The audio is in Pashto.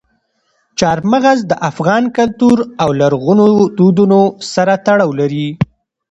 چار مغز د افغان کلتور او لرغونو دودونو سره تړاو لري.